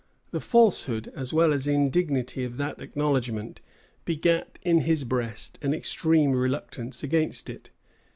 The falsehood, as well as indignity of that acknowledgment, begat in his breast an extreme reluctance against it.